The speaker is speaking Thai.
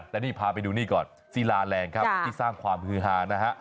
แต่นี่พาไปดูนี่ก่อนศิลาแรงครับที่สร้างความฮือฮานะฮะ